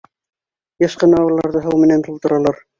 Йыш ҡына уларҙы һыу менән тултыралар.